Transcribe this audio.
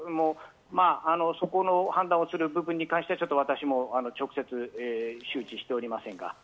そこの判断をする部分に関しては私も直接、周知しておりません。